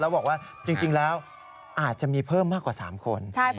แล้วบอกว่าจริงแล้วอาจจะมีเพิ่มมากกว่า๓คน